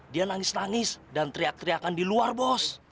dia nangis nangis dan teriak teriakan di luar bos